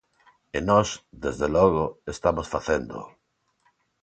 E nós, desde logo, estamos facéndoo.